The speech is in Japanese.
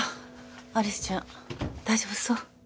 有栖ちゃん大丈夫そう？